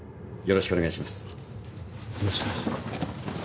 よろしくお願いします。